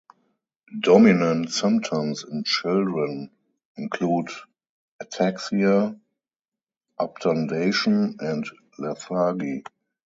Dominant symptoms in children include ataxia, obtundation, and lethargy.